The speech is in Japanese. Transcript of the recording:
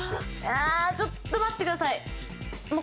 えーちょっと待ってください！